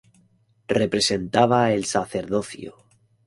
Representaba el sacerdocio.